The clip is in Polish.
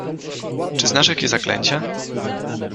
Czy znasz jakie zaklęcia?